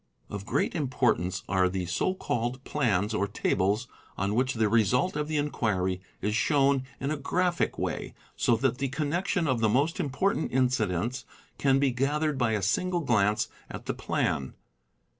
Of very great importance are the so called plans or tables on which the result of the enquiry is shown in a graphic way, so that the connec tion of the most important incidents can be gathered by a single glance at the plan.